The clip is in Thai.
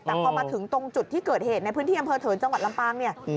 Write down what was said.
แต่พอมาถึงตรงจุดที่เกิดเหตุในพื้นที่อำเภอเถินจังหวัดลำปางเนี่ย